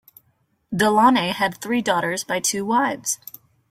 De Launay had three daughters by two wives.